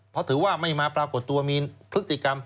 เพราะถือว่าไม่มาปรากฏตัวมีพฤติกรรม